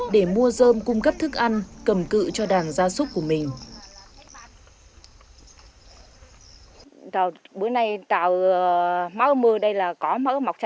để mua dơm cung cấp thức ăn cầm cự cho đàn gia súc của mình